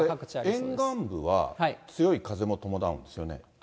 沿岸部は、強い風も伴うんですよね。